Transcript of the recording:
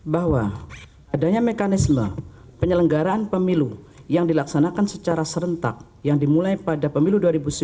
bahwa adanya mekanisme penyelenggaraan pemilu yang dilaksanakan secara serentak yang dimulai pada pemilu dua ribu sembilan belas